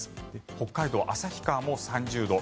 北海道旭川も３０度。